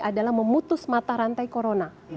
adalah memutus mata rantai corona